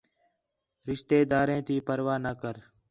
رشتے داریں تی پرواہ نہ کر